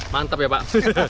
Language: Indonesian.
mantap ya pak